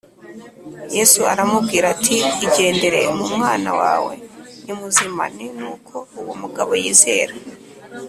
Yesu aramubwira ati igendere m umwana wawe ni muzima n nuko uwo mugabo yizera